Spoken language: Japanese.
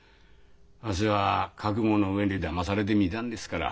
わしは覚悟の上でだまされてみたんですから。